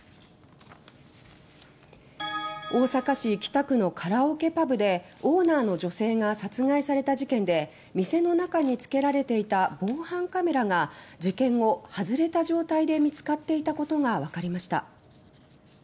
大阪市北区のカラオケパブでオーナーの女性が殺害された事件で店の中につけられていた防犯カメラが事件後、外れた状態で見つかっていたことがわかりました。